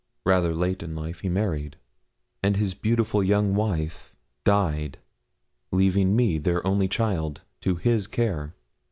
Rather late in life he married, and his beautiful young wife died, leaving me, their only child, to his care.